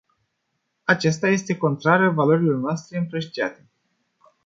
Aceasta este contrară valorilor noastre împărtășite.